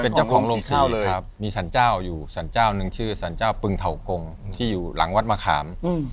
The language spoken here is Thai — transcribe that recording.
เป็นเจ้าของโรงศรีเลยครับมีสรรเจ้าอยู่สรรเจ้าหนึ่งชื่อสรรเจ้าปึงเถากงที่อยู่หลังวัดมะขาม